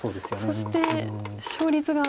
そして勝率が。